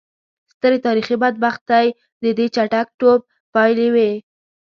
سترې تاریخي بدبختۍ د دې چټک ټوپ پایلې وې.